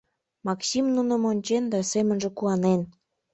Максим нуным ончен да семынже куанен.